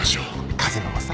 風の噂？